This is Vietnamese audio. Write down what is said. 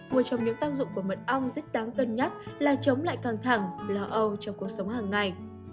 một trong những tác dụng của mật ong rất đáng cân nhắc là chống lại căng thẳng lo âu trong cuộc sống hàng ngày